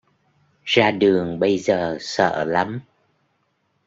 Ra đường bây giờ sợ lắm